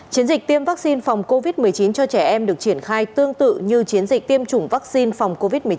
chiến dịch tiêm vaccine phòng covid một mươi chín cho trẻ em được triển khai tương tự như chiến dịch tiêm chủng vaccine phòng covid một mươi chín